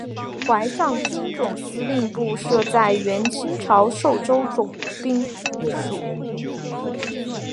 淮上军总司令部设在原清朝寿州总兵署。